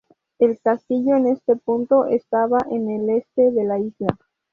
El castillo en este punto estaba en el este de la isla.